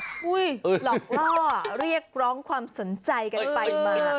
หลอกล่อเรียกร้องความสนใจกันไปมา